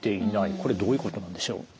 これどういうことなんでしょう？